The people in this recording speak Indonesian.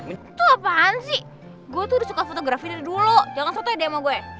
itu apaan sih gue tuh udah suka fotografinya dulu jangan foto ya demo gue